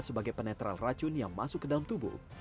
sebagai penetral racun yang masuk ke dalam tubuh